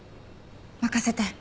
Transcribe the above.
任せて。